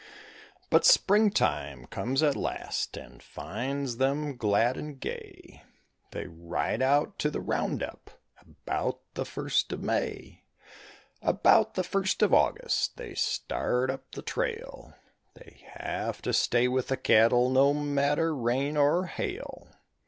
But springtime comes at last and finds them glad and gay; They ride out to the round up about the first of May; About the first of August they start up the trail, They have to stay with the cattle, no matter rain or hail.